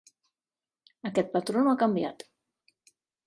Aquest patró no ha canviat.